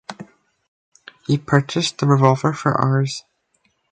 He purchased the revolver for Rs.